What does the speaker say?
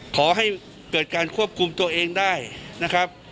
ขอให้เกิดการควบคุมตัวเองได้นะครับ